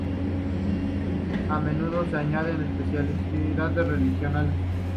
A menudo se añaden especialidades regionales.